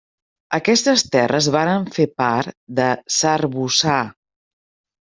Aquestes terres varen fer part de s'Arboçar.